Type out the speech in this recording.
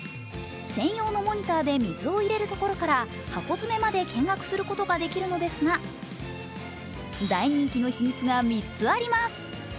専用のモニターで水を入れるところから箱詰めまで見学することができるのですが、大人気の秘密が３つあります。